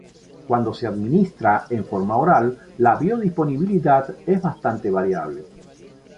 Cuando se administra en forma oral la biodisponibilidad es bastante variable.